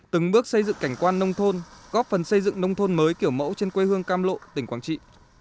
từng bước xây dựng cảnh quan nông thôn góp phần xây dựng nông thôn mới kiểu mẫu trên quê hương cam lộ tỉnh quảng trị